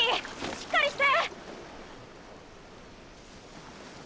しっかりして！